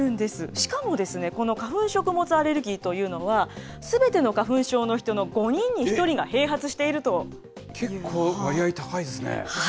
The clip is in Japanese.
しかもですね、この花粉食物アレルギーというのは、すべての花粉症の人の５人に１人が併発してい結構、割合高いですね。